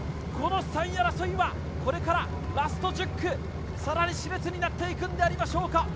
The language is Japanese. この３位争いは、これからラスト、さらに熾烈になっていくのでしょうか？